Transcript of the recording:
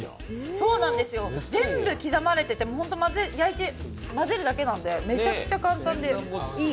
そうなんです、全部刻まれてて、混ぜるだけなのでめちゃくちゃ簡単で、いい。